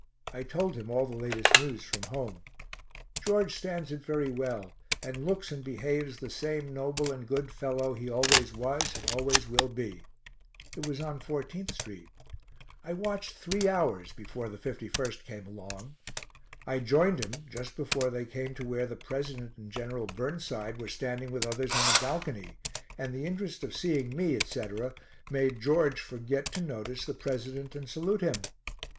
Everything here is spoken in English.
I told him all the latest news from home. George stands it very well, and looks and behaves the same noble and good fellow he always was and always will be. It was on 14th st. I watched three hours before the 51st came along. I joined him just before they came to where the President and Gen. Burnside were standing with others on a balcony, and the interest of seeing me, etc., made George forget to notice the President and salute him.